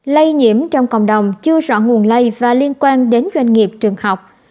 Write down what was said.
lây nhiễm trong cộng đồng chưa rõ nguồn lây và liên quan đến doanh nghiệp trường học